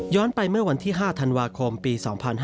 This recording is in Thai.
ไปเมื่อวันที่๕ธันวาคมปี๒๕๕๙